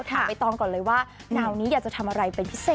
ใบตองก่อนเลยว่าแนวนี้อยากจะทำอะไรเป็นพิเศษ